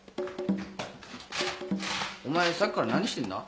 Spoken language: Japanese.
お前さっきから何してんだ？